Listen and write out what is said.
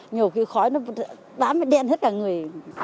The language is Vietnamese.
nhiều khi khói nó bám đen hết cả người